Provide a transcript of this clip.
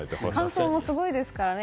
乾燥もすごいですからね